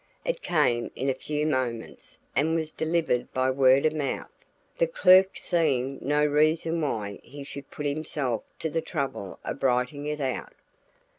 It came in a few moments and was delivered by word of mouth, the clerk seeing no reason why he should put himself to the trouble of writing it out.